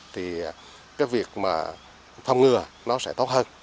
thì việc phòng ngừa sẽ tốt hơn